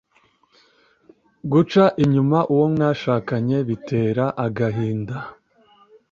Guca inyuma uwo mwashakanye bitera agahinda